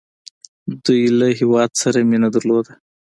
دوی له هیواد سره مینه درلوده.